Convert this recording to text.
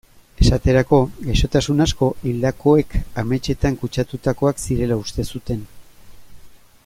Esaterako, gaixotasun asko hildakoek ametsetan kutsatutakoak zirela uste zuten.